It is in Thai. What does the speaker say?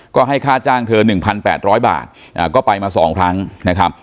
ก็ให้ค่าจ้างเธอ๑๘๐๐บาทก็ไปมา๒ครั้งนะครับ